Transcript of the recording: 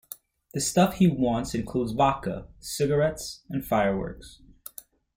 The stuff he wants includes vodka, cigarettes and fireworks.